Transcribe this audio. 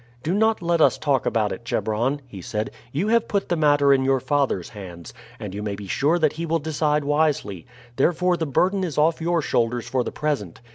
"Do not let us talk about it, Chebron," he said. "You have put the matter in your father's hands, and you may be sure that he will decide wisely; therefore the burden is off your shoulders for the present.